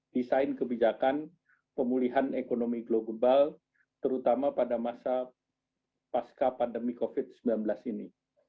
desain kebijakan pemulihan ekonomi global terutama pada masa pasca pandemi covid sembilan belas ini